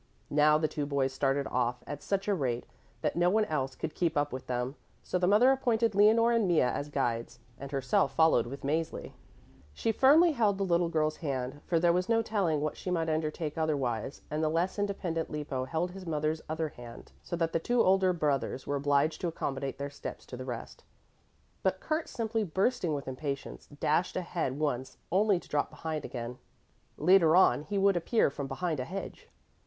Now the two boys started off at such a rate that no one else could keep up with them, so the mother appointed Leonore and Mea as guides, and herself followed with Mäzli. She firmly held the little girl's hand, for there was no telling what she might undertake otherwise, and the less independent Lippo held his mother's other hand, so that the two older brothers were obliged to accommodate their steps to the rest. But Kurt, simply bursting with impatience, dashed ahead once, only to drop behind again; later on he would appear from behind a hedge.